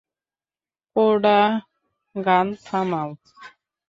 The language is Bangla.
কোডা, গান থামাও।